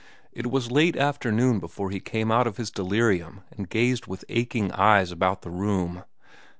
It was late afternoon before he came out of his delirium and gazed with aching eyes about the room.